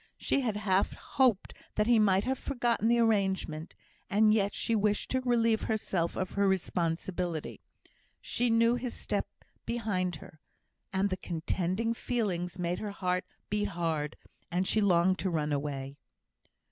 She had half hoped that he might have forgotten the arrangement, and yet she wished to relieve herself of her responsibility. She knew his step behind her, and the contending feelings made her heart beat hard, and she longed to run away.